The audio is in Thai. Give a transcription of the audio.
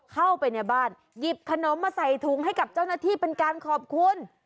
เข้าไปในบ้านหยิบขนมมาใส่ถุงให้กับเจ้าหน้าที่เป็นการขอบคุณ